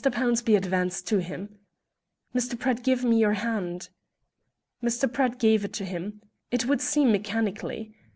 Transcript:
Pownceby advanced to him. "Mr. Pratt, give me your hand." Mr. Pratt gave it to him, it would seem, mechanically.